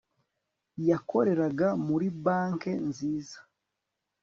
yakoreraga muri banke nziza